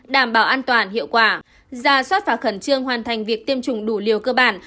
đảm bảo an toàn hiệu quả ra soát và khẩn trương hoàn thành việc tiêm chủng đủ liều cơ bản